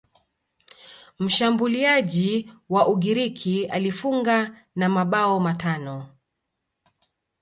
mshambuliaji wa ugiriki alifunga na mabao matano